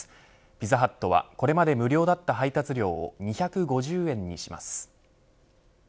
ピザハットは、これまで無料だった配達料を２５０円にします。